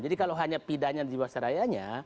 jadi kalau hanya pidanya di luar sarayanya